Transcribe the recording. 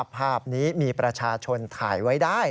ภาพนี้มีประชาชนถ่ายไว้ได้